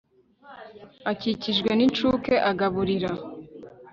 akikijwe n'incuke agaburira